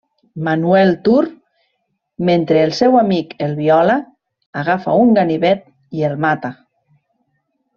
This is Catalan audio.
Manuel Tur mentre el seu amic el viola, agafa un ganivet i el mata.